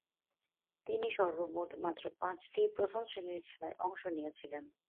তিনি সর্বমোট মাত্র পাঁচটি প্রথম-শ্রেণীর খেলায় অংশ নিয়েছিলেন।